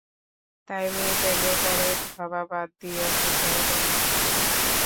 তাই মেয়েটার ব্যাপারে ভাবা বাদ দিয়ে অফিসারের কথা ভাব।